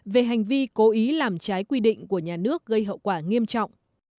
về hành vi cố ý làm trái quy định của nhà nước gây hậu quả nghiêm trọng